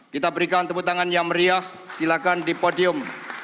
kita berikan tepuk tangan yang meriah silakan di podium